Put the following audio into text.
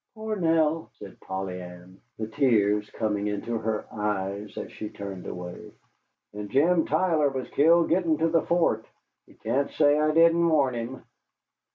"Poor Nell," said Polly Ann, the tears coming into her eyes as she turned away. "And Jim Tyler was killed gittin' to the fort. He can't say I didn't warn him."